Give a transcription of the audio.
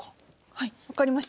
はい分かりました。